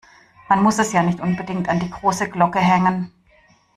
Man muss es ja nicht unbedingt an die große Glocke hängen.